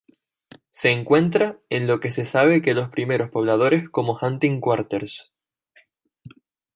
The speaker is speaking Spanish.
Se encuentra en lo que se sabe que los primeros pobladores como Hunting Quarters.